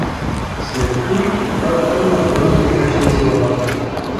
След туй той тръгна бързо и вече не се обърна.